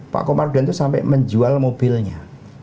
pak komarudin itu sampai menjual mobilnya